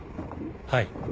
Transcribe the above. はい。